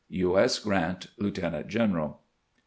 U. S. Grant, Lieutenant general.